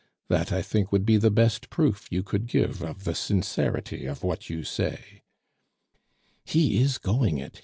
That, I think, would be the best proof you could give of the sincerity of what you say." "He is going it!